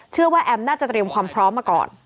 แอมน่าจะเตรียมความพร้อมมาก่อน